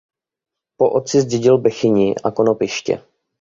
Po otci zdědil Bechyni a Konopiště.